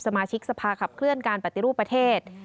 สมาชิกสภาขับเคลื่อนการปฏิรูปประเทศ